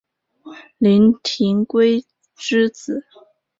林廷圭之子。